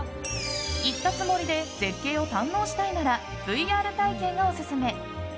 行ったつもりで絶景を堪能したいならＶＲ体験がオススメ！